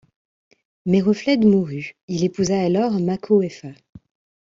Méroflède mourut, il épousa alors Marcowefa.